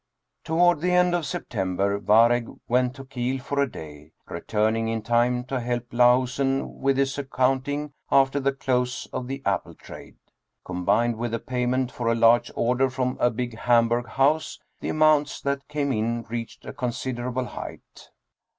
Toward the end of September Waregg went to Kiel for a day, returning in time to help Lahusen with his account ing after the close of the apple trade. Combined with the payment for a large order from a big Hamburg house, the amounts that came in reached a considerable height.